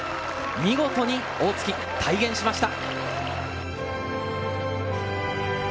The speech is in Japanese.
見事に大槻、体現しました。